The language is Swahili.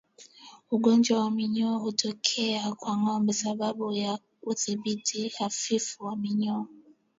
Ugonjwa wa minyoo hutokea kwa ngombe sababu ya udhibiti hafifu wa minyoo